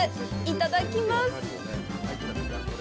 いただきます。